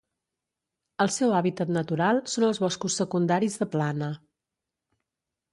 El seu hàbitat natural són els boscos secundaris de plana.